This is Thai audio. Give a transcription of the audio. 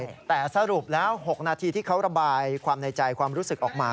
ใช่แต่สรุปแล้ว๖นาทีที่เขาระบายความในใจความรู้สึกออกมา